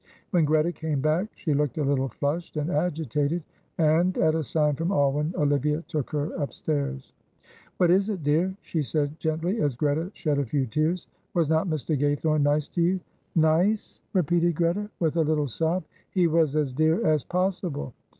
When Greta came back she looked a little flushed and agitated, and, at a sign from Alwyn, Olivia took her upstairs. "What is it, dear?" she said, gently, as Greta shed a few tears; "was not Mr. Gaythorne nice to you?" "Nice?" repeated Greta, with a little sob; "he was as dear as possible.